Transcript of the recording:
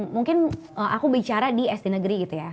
mungkin aku bicara di sd negeri gitu ya